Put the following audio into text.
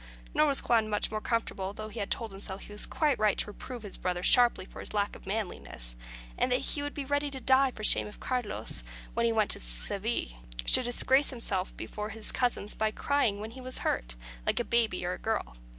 Nor was Juan much more comfortable, though he told himself he was quite right to reprove his brother sharply for his lack of manliness; and that he would be ready to die for shame if Carlos, when he went to Seville, should disgrace himself before his cousins by crying when he was hurt, like a baby or a girl.